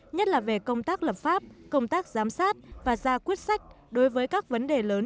nhất là về công tác lập pháp công tác giám sát và ra quyết sách đối với các vấn đề lớn